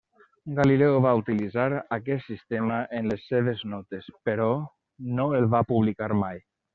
Galileu va utilitzar aquest sistema en les seves notes, però no el va publicar mai.